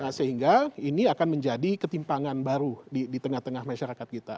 nah sehingga ini akan menjadi ketimpangan baru di tengah tengah masyarakat kita